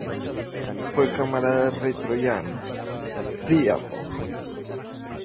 Fue camarada del rey troyano Príamo.